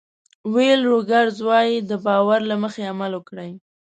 ویل روګرز وایي د باور له مخې عمل وکړئ.